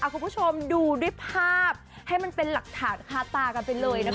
คุณผู้ชมดูด้วยภาพให้มันเป็นหลักฐานคาตากันไปเลยนะคะ